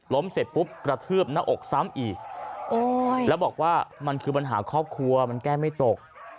เสร็จปุ๊บกระทืบหน้าอกซ้ำอีกแล้วบอกว่ามันคือปัญหาครอบครัวมันแก้ไม่ตก